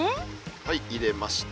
はい入れました。